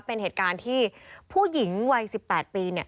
เป็นเหตุการณ์ที่ผู้หญิงวัย๑๘ปี